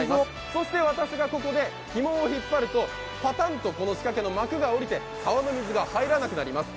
そして私がここでひもを引っ張るとパタンと仕掛けの枠が下りて川の水が入らなくなります。